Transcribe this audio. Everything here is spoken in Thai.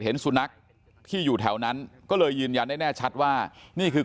เห็นสุนัขที่อยู่แถวนั้นก็เลยยืนยันได้แน่ชัดว่านี่คือ